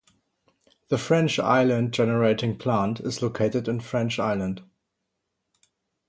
The French Island Generating Plant is located in French Island.